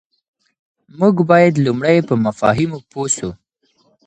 موږ بايد لومړی په مفاهيمو پوه سو.